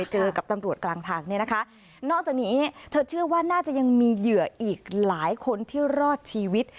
เจอกับตำรวจกลางทางเนี่ยนะคะนอกจากนี้เธอเชื่อว่าน่าจะยังมีเหยื่ออีกหลายคนที่รอดชีวิต